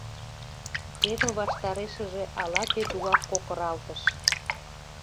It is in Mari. Теве ваштарешыже ала-кӧ тугак кокыралтыш.